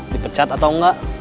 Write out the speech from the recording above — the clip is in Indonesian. dipecat atau enggak